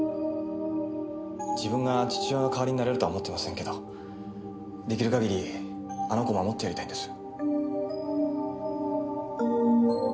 自分が父親の代わりになれるとは思ってませんけど出来る限りあの子守ってやりたいんです。